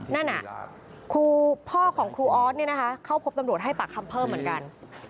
นั่นครูพ่อของครูออสเข้าพบตำรวจให้ปากคำเพิ่มเหมือนกัน